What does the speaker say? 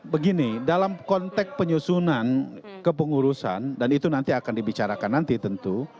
begini dalam konteks penyusunan kepengurusan dan itu nanti akan dibicarakan nanti tentu